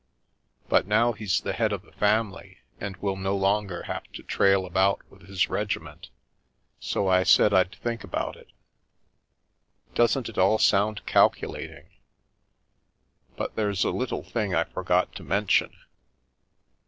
But now he's the head of the family and will no longer have to trail about with his regiment, so I said I'd think about it. Doesn't it all sound calculating! But there's a little thing I forgot to mention."